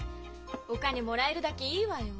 お金もらえるだけいいわよ。